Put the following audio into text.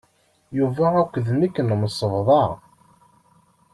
Yuba akked nekk nemsebḍa.